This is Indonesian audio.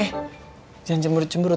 eh jangan cemberut cemberut